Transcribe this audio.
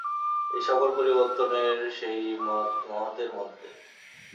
এই-সকল পরিবর্তনই সেই মহতের মধ্যে।